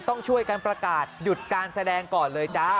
ต้องช่วยกันประกาศหยุดการแสดงก่อนเลยจ้า